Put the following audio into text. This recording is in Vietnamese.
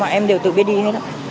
không ạ em đều tự biết đi hết ạ